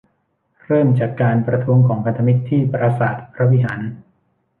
เริ่มจากการประท้วงของพันธมิตรที่ปราสาทพระวิหาร